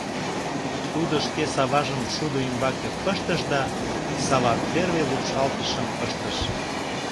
Тудо шке саважым шудо ӱмбаке пыштыш да, сава первый лупшалтышым ыштыш.